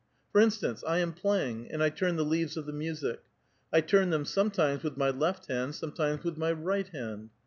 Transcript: For instance, I' am playing, and I turn the leaves of the music. I turn them sometimes with my left hand, sometimes with my right hand.